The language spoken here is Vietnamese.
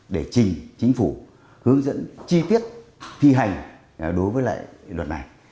để trình chính phủ hướng dẫn chi tiết thi hành đối với lại luật này